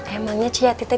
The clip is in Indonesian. emangnya ciyatita dipercaya